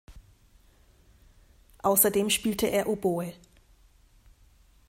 Außerdem spielte er Oboe.